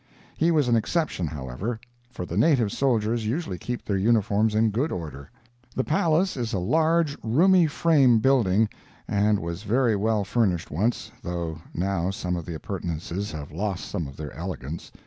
He was an exception, however, for the native soldiers usually keep their uniforms in good order. The palace is a large, roomy frame building, and was very well furnished once, though now some of the appurtenances have lost some of their elegance.